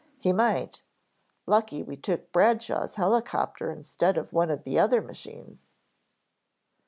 "He might. Lucky we took Bradshaw's helicopter instead of one of the other machines."